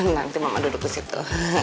nanti mama duduk di situ